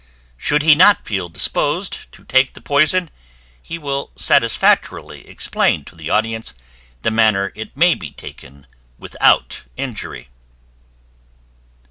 Should he not feel disposed to take the poison, he will satisfactorily explain to the audience the manner it may be taken without injury.